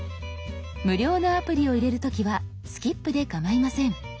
無料のアプリを入れる時は「スキップ」でかまいません。